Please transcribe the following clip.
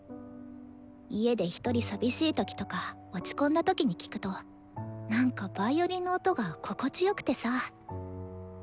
家でひとり寂しい時とか落ち込んだ時に聴くとなんかヴァイオリンの音が心地よくてさ。